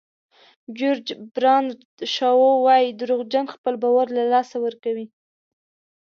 جیورج برنارد شاو وایي دروغجن خپل باور له لاسه ورکوي.